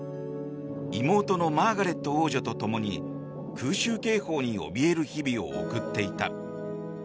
妹のマーガレット王女と共に空襲警報におびえる日々を送っていた。